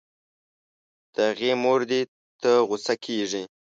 د هغې مور دې ته غو سه کيږي